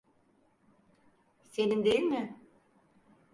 Senin değil mi?